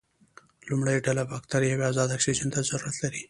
لومړۍ ډله بکټریاوې ازاد اکسیجن ته ضرورت لري.